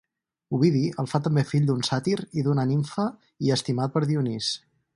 Ovidi el fa també fill d'un sàtir i d'una nimfa i estimat per Dionís.